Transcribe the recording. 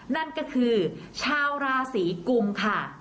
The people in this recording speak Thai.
นั่นก็คือชาวราศีกุมค่ะ